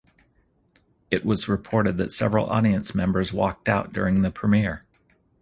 It was reported that several audience members walked out during the premiere.